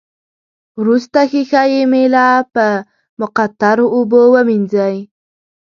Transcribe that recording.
وروسته ښيښه یي میله په مقطرو اوبو ومینځئ.